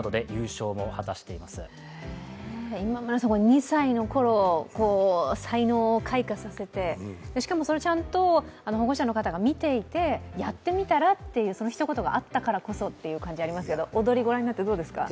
２歳のころ、才能を開花させて、しかも、ちゃんと保護者の方が見ていて「やってみたら」というその一言があったからこそという感じがありますけど、踊りをご覧になってどうですか？